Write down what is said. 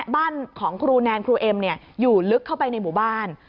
บ้านของครูแนนครูเอ็มอยู่ลึกเข้าไปในหมู่บ้าน